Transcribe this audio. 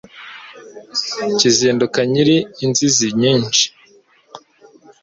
Kizinduka nyiri inzizi nyinshi